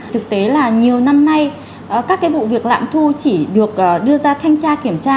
thực tế là nhiều năm nay các vụ việc lạm thu chỉ được đưa ra thanh tra kiểm tra